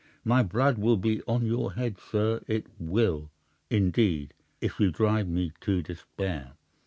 My blood will be on your head, sir—it will, indeed—if you drive me to despair.